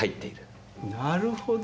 なるほど。